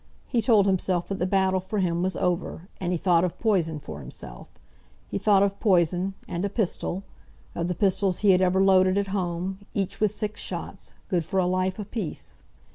He told himself that the battle for him was over, and he thought of poison for himself. He thought of poison, and a pistol, of the pistols he had ever loaded at home, each with six shots, good for a life apiece.